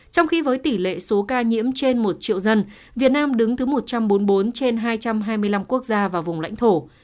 trong khi với tỷ lệ số ca nhiễm trên một triệu dân việt nam đứng thứ một trăm bốn mươi bốn trên hai trăm hai mươi năm quốc gia và vùng lãnh thổ